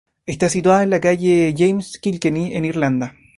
Está situada en la calle James, Kilkenny, en Irlanda.